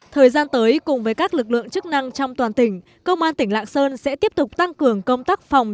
thời gian tới cùng với các lực lượng chức năng trong toàn tỉnh công an tỉnh lạng sơn sẽ tiếp tục tăng cường công tác phòng